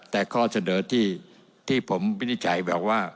แต่ข้อเสนอที่ผมวินิจฉัยแบบว่า